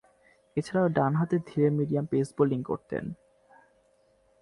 এছাড়াও, ডানহাতে ধীরে মিডিয়াম পেস বোলিং করতেন।